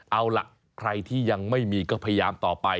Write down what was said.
เอาล่ะใครที่ยังไม่มีก็พยายามต่อไป